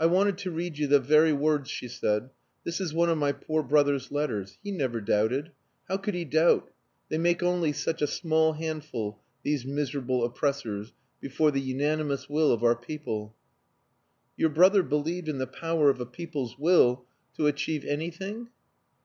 "I wanted to read you the very words," she said. "This is one of my poor brother's letters. He never doubted. How could he doubt? They make only such a small handful, these miserable oppressors, before the unanimous will of our people." "Your brother believed in the power of a people's will to achieve anything?"